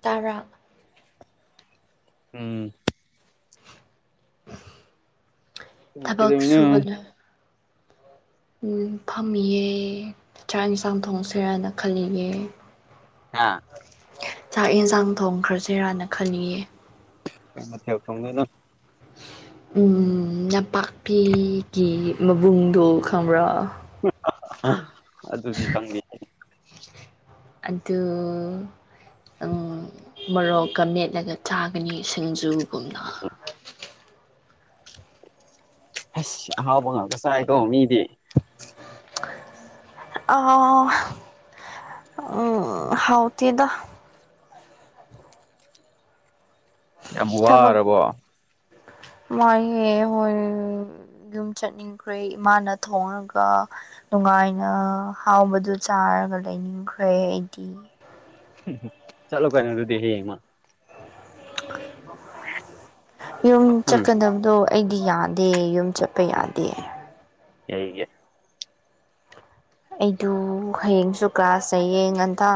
ꯇꯔꯥ ꯎꯝ ꯊꯕꯛ ꯀꯩꯗꯧꯔꯤꯅꯣ ꯁꯨꯕꯗꯨ ꯐꯝꯃꯤꯌꯦ ꯆꯥꯛ ꯌꯦꯟꯁꯥꯡ ꯊꯣꯡꯁꯤꯔꯅ ꯈꯜꯂꯤꯌꯦ ꯑꯥ ꯆꯥꯛ ꯌꯦꯟꯁꯥꯡ ꯊꯣꯡꯈ꯭ꯔꯁꯤꯔꯅ ꯈꯜꯂꯤꯌꯦ [unintelligible] ꯅꯄꯥꯛꯄꯤꯒꯤ ꯃꯕꯨꯡꯗꯣ ꯈꯪꯕ꯭ꯔꯥ ꯑꯗꯨꯗꯤ ꯈꯪꯗꯦ ꯑꯗꯨ ꯃꯣꯔꯣꯛꯀ ꯃꯦꯠꯂꯒ ꯆꯥꯕꯒꯤ ꯁꯤꯡꯖꯨꯒꯨꯝ ꯑꯁ ꯑꯍꯥꯎꯕ ꯉꯥꯛꯇ ꯆꯥꯏꯀꯣ ꯃꯤꯗꯤ ꯑꯣ ꯍꯥꯎꯇꯦꯗꯥ ꯌꯥꯝ ꯋꯥꯔꯕꯣ ꯋꯥꯢꯍꯦ ꯍꯣꯏ ꯌꯨꯝ ꯆꯠꯅꯤꯡꯈ꯭ꯔꯦ ꯏꯃꯥꯅ ꯊꯣꯡꯉꯒ ꯅꯨꯡꯉꯥꯏꯅ ꯍꯥꯎꯕꯗꯨ ꯆꯥꯔꯒ ꯂꯩꯅꯤꯡꯈ꯭ꯔꯦ ꯑꯩꯗꯤ ꯎ ꯆꯠꯂꯣ ꯀꯩꯅꯣ ꯑꯗꯨꯨꯗꯤ ꯌꯨꯝ ꯎꯝ ꯆꯠꯀꯥꯗꯕꯗꯣ ꯑꯩꯗꯤ ꯌꯥꯗꯦ ꯌꯨꯝ ꯆꯠꯄ ꯌꯥꯗꯦ ꯑꯩꯒꯤ ꯑꯩꯗꯨ ꯍꯌꯦꯡꯁꯨ ꯀ꯭ꯂꯥꯁ ꯂꯩꯌꯦ ꯉꯟꯇ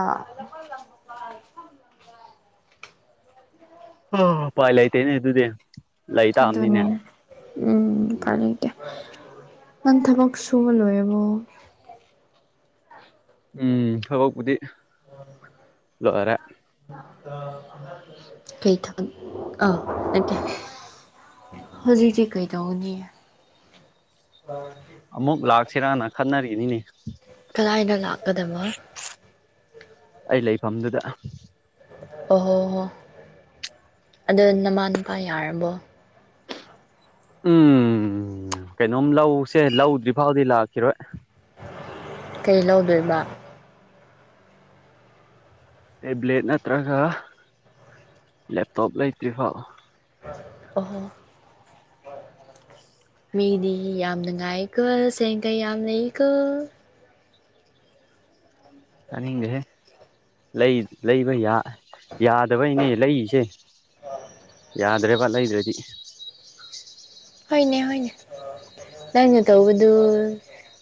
ꯎꯄꯥꯏꯂꯇꯦꯅꯦ ꯑꯗꯨꯨꯗ ꯑꯗꯨꯅꯦ ꯎꯝ ꯐꯥꯅꯤ ꯅꯪ ꯊꯕꯛ ꯁꯨꯕ ꯂꯣꯏꯔꯥꯕꯣ ꯎꯝ ꯊꯕꯛꯄꯨꯗꯤ [unintelligible] ꯂꯣꯏꯔꯦ ꯀꯩ ꯊꯕꯛ ꯑꯥ ꯍꯧꯖꯤꯛꯗꯤ ꯀꯩꯗꯧꯅꯤ ꯑꯃꯨꯛ ꯂꯥꯛꯁꯤꯔꯥꯅ ꯈꯟꯅꯔꯤꯅꯤꯅꯦ ꯀꯗꯥꯏꯗ ꯂꯥꯛꯀꯗꯕ ꯑꯩ ꯂꯩꯐꯝꯗꯨꯗ ꯑꯣꯍꯣ ꯍꯣ ꯑꯗꯣ ꯅꯃꯥ ꯅꯨꯨꯄꯥ ꯌꯥꯔꯕꯣ ꯎꯝ ꯀꯩꯅꯣꯝ ꯂꯧꯁꯦ ꯂꯧꯗ꯭ꯔꯤ ꯐꯥꯎꯗꯤ ꯂꯥꯛꯈꯤꯔꯣꯏ ꯀꯩ ꯂꯧꯗꯣꯏꯕ ꯇꯦꯕ꯭ꯂꯦꯠ ꯅꯠꯇ꯭ꯔꯒ ꯂꯦꯞꯇꯣꯞ ꯂꯩꯇ꯭ꯔꯤꯐꯥꯎ ꯑꯣ ꯍꯣ ꯃꯦꯗꯤ ꯌꯥꯝꯅꯅꯨꯡꯉꯥꯏꯀꯣ ꯁꯦꯡꯀ ꯌꯥꯝ ꯂꯩꯀꯣ ꯇꯥꯅꯤꯡꯗꯦ ꯂꯩ ꯂꯩꯕ ꯌꯥ ꯌꯥꯗꯕꯩꯅꯦ ꯂꯩꯔꯤꯁꯦ ꯌꯥꯗ꯭ꯔꯦꯕ ꯂꯩꯗ꯭ꯔꯗꯤ ꯍꯣꯏꯅꯦ ꯍꯣꯏꯅꯦ ꯅꯪꯅ ꯇꯧꯕꯗꯨ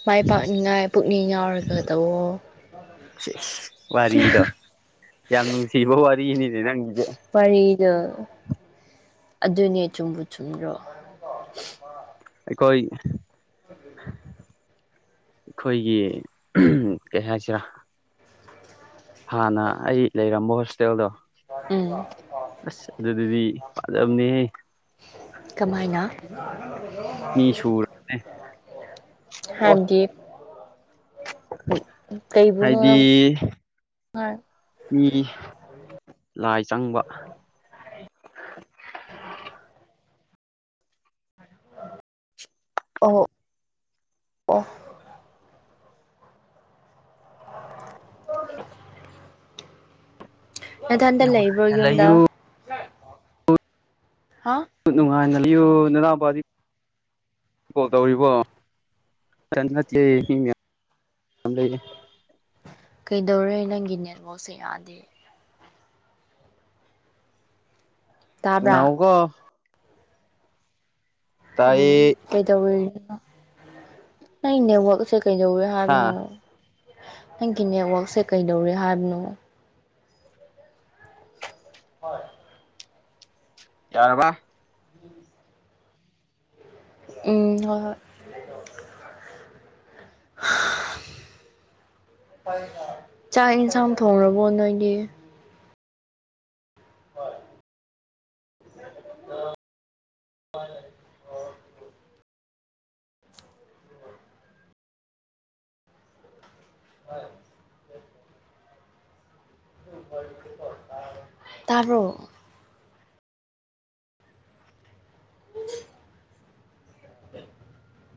ꯃꯥꯏ ꯄꯥꯛꯅꯤꯡꯉꯥꯏ ꯄꯨꯛꯅꯤꯡ ꯌꯥꯎꯔꯒ ꯇꯧꯑꯣ ꯋꯥꯔꯤꯗꯣ ꯌꯥꯝ ꯅꯨꯡꯁꯤꯕ ꯋꯥꯔꯤꯅꯤꯅꯦ ꯅꯪꯒꯤꯁꯦ ꯋꯥꯔꯤꯗꯣ ꯑꯗꯨꯅꯦ ꯆꯨꯝꯕꯨ ꯆꯨꯝꯗ꯭ꯔꯣ ꯑꯩꯈꯣꯢ [unintelligible] ꯑꯩꯈꯣꯏꯒꯤ ꯀꯩ ꯍꯥꯏꯁꯤꯔꯥ ꯍꯥꯟꯅ ꯑꯩ ꯂꯩꯔꯝꯕ ꯍꯣꯁꯇꯦꯜꯗꯣ ꯎꯝ ꯑꯁ ꯑꯗꯨꯗꯨꯗꯤ ꯐꯥꯖꯕꯅꯦꯍꯦ ꯀꯥꯃꯥꯏꯅ ꯃꯤ ꯁꯨꯔꯕꯅꯦ ꯑꯣ ꯍꯥꯏꯕꯗꯤ ꯀꯩꯕꯨꯅꯣ ꯍꯥꯏꯗꯤ ꯃꯤ ꯂꯥꯏ ꯆꯪꯕ ꯑꯣ ꯑꯣ [unintelligible] ꯅꯊꯟꯇ ꯂꯩꯕ꯭ꯔꯣ ꯅꯨꯡꯉꯥꯏꯅ ꯌꯨꯝꯗ ꯂꯩꯌꯨ ꯍꯥ ꯅꯨꯡꯉꯥꯏꯅ ꯂꯩꯌꯨ ꯅꯥꯅꯥꯎꯄꯥꯗꯤ ꯀꯣꯜ ꯇꯧꯔꯤꯕꯣ [unintelligible] ꯀꯩꯗꯧꯔꯦ ꯅꯪꯒꯤ ꯅꯦꯠꯋꯥꯛꯁꯦ ꯌꯥꯗꯦ ꯇꯥꯕ꯭ꯔꯥ ꯅꯥꯛꯎꯀꯣ ꯎꯝ ꯇꯥꯏꯌꯦ ꯀꯩꯗꯧꯔꯤꯅꯣ ꯅꯪ ꯅꯦꯠꯋꯥꯛꯛꯁꯦ ꯀꯩꯗꯧꯋꯦ ꯍꯥ ꯍꯥꯏꯕꯅꯣ ꯅꯪꯒꯤ ꯅꯦꯠꯋꯥꯛꯛꯁꯦ ꯀꯩꯗꯧꯔꯦ ꯍꯥꯏꯕꯅꯣ ꯍꯣꯏ ꯌꯥꯔꯕ [inaudible] ꯎꯝ ꯍꯣꯏ ꯍꯣꯏ ꯆꯥꯛ ꯌꯦꯟꯁꯥꯡ ꯊꯣꯡꯔꯕꯣ ꯅꯣꯏꯗꯤ [unintelligible] [unintelligible] ꯇꯥꯕ꯭ꯔꯣ [unintelligible] [unintelligible]